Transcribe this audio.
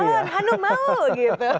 salon hanum mau gitu